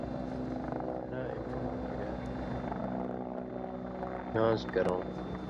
گھین٘راں (اِماماں) کِریا ݜتُک ژُن٘ن٘ڑوں ژُن٘ن٘ڑوں نِوان٘ز کرؤں